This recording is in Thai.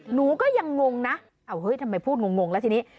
หนูก็ยังงงนะเฮ้ยทำไมพูดงงแล้วทีนี้